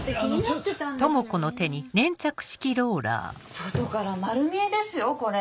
外から丸見えですよこれ。